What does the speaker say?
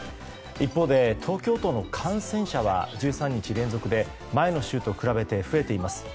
一方で、東京都の感染者は１３日連続で前の週と比べて増えています。